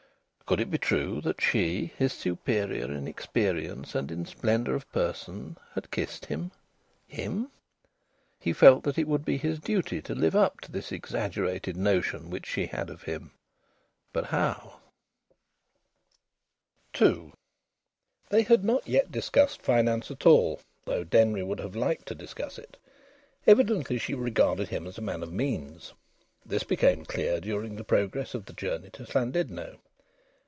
Could it be true that she, his superior in experience and in splendour of person, had kissed him? Him! He felt that it would be his duty to live up to this exaggerated notion which she had of him. But how? II They had not yet discussed finance at all, though Denry would have liked to discuss it. Evidently she regarded him as a man of means. This became clear during the progress of the journey to Llandudno.